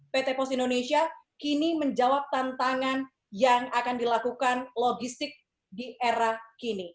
pt pos indonesia kini menjawab tantangan yang akan dilakukan logistik di era kini